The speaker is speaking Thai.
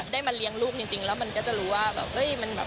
ได้มาเลี้ยงลูกจริงแล้วมันก็จะรู้ว่า